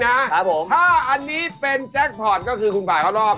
ถ้าอันนี้เป็นแจ็คพอร์ตก็คือคุณผ่านเข้ารอบ